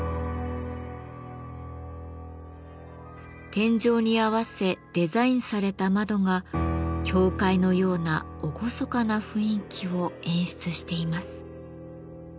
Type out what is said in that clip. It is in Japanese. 天井に合わせデザインされた窓が教会のような厳かな雰囲気を演出しています。